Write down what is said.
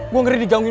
gua ngeri dijangkin